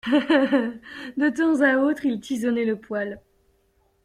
De temps à autre il tisonnait le poêle.